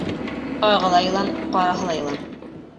Ағы ла йылан, ҡараһы ла йылан.